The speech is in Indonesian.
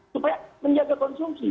supaya menjaga konsumsi